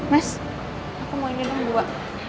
mas aku mau ini dong juga